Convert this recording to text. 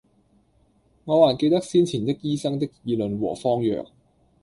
我還記得先前的醫生的議論和方藥，